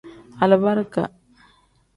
Alibarika.